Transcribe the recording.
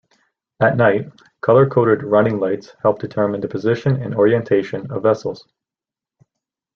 At night, color-coded running lights help determine the position and orientation of vessels.